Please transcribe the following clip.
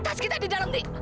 d tas kita di dalam d